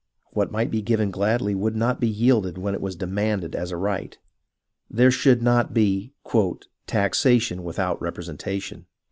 What might be given gladly would not be yielded when it was demanded as a right. There should not be " taxation without representation."